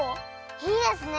いいですね！